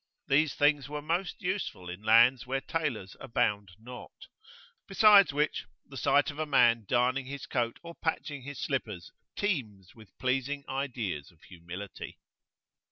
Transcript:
These things were most useful in lands where tailors abound not; besides which, the sight of a man darning his coat or patching his slippers teems with pleasing ideas of humility.